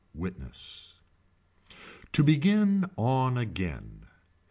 Witness. To begin on again.